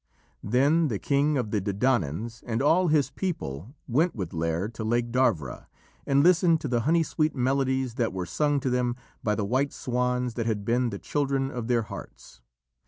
Then the king of the Dedannans and all his people went with Lîr to Lake Darvra, and listened to the honey sweet melodies that were sung to them by the white swans that had been the children of their hearts.